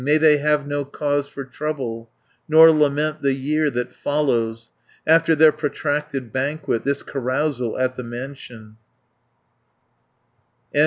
May they have no cause for trouble, Nor lament the year that follows, After their protracted banquet, This carousal at the mansion!"